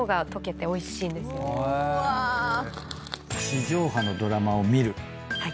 地上波のドラマを見る。